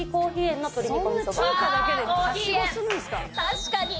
確かに！